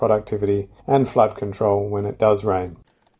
dan pengawasan penyelam ketika berlalu